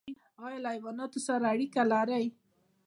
ایا له حیواناتو سره اړیکه لرئ؟